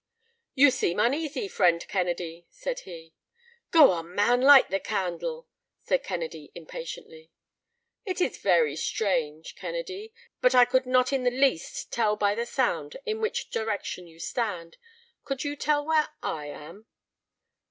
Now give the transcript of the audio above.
"You seem uneasy, friend Kennedy," said he. "Go on, man, light the candle!" said Kennedy impatiently. "It's very strange, Kennedy, but I could not in the least tell by the sound in which direction you stand. Could you tell where I am?"